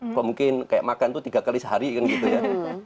kalau mungkin kayak makan itu tiga kali sehari kan gitu ya